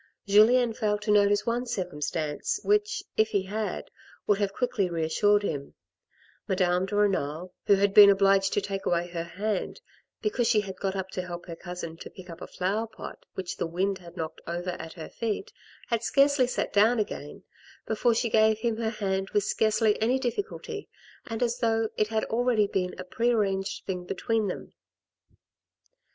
Julien failed to notice one circumstance which, if he had, would have quickly reassured him; MSsdame de Renal, who had been obliged to take away her hand, because she had got up to help her cousin to pick up a flower pot which the wind had knocked over at her feet, had scarcely sat down again before she gave AN EVENING IN THE COUNTRY 57 him her hand with scarcely any difficulty and as though it had already been a pre arranged thing between them.